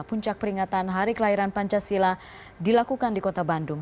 puncak peringatan hari kelahiran pancasila dilakukan di kota bandung